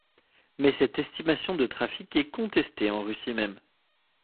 Mais cette estimation de trafic est contestée en Russie même.